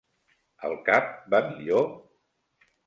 El cap va millor?